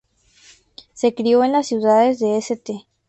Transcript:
Se crio en las ciudades de St.